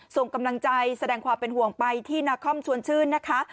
ส่งกำลังใจแสดงความเป็นห่วงไปที่นาคอมชวนชื่นนะคะ